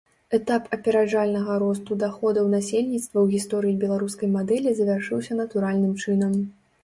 Этап апераджальнага росту даходаў насельніцтва ў гісторыі беларускай мадэлі завяршыўся натуральным чынам.